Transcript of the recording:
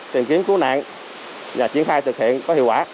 tìm kiếm cứu nạn và triển khai thực hiện có hiệu quả